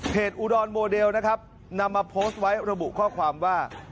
อุดรโมเดลนะครับนำมาโพสต์ไว้ระบุข้อความว่า